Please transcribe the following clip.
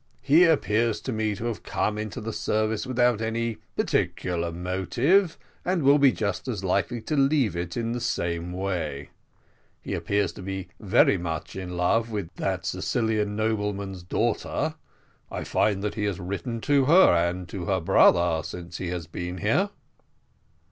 He appears to me to have come into the service without any particular motive, and will be just as likely to leave it in the same way. He appears to be very much in love with that Sicilian nobleman's daughter. I find that he has written to her, and to her brother, since he has been here."